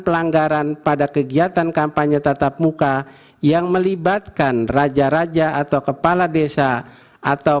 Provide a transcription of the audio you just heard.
pelanggaran pada kegiatan kampanye tatap muka yang melibatkan raja raja atau kepala desa atau